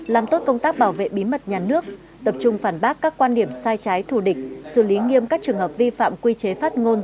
làm tốt công tác bảo vệ bí mật nhà nước tập trung phản bác các quan điểm sai trái thù địch xử lý nghiêm các trường hợp vi phạm quy chế phát ngôn